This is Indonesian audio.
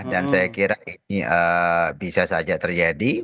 dan saya kira ini bisa saja terjadi